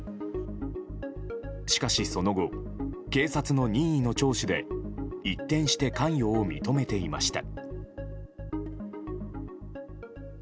しかし、その後警察の任意の聴取で一転して関与を認めていました。